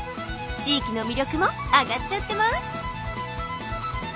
地域の魅力も上がっちゃってます！